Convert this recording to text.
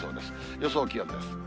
予想気温です。